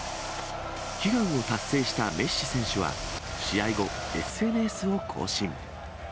悲願を達成したメッシ選手は、試合後、ＳＮＳを更新。